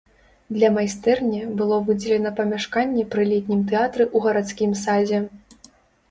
Для майстэрні было выдзелена памяшканне пры летнім тэатры ў гарадскім садзе.